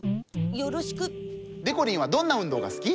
でこりんはどんなうんどうがすき？